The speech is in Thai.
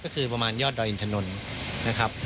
ก็คือประมาณยอดดอยอินทนนท์นะครับ